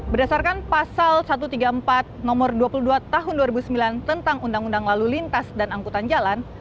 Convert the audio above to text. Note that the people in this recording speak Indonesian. berdasarkan pasal satu ratus tiga puluh empat nomor dua puluh dua tahun dua ribu sembilan tentang undang undang lalu lintas dan angkutan jalan